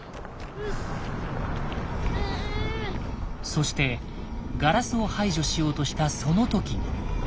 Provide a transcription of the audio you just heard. そしてガラスを排除しようとしたその時。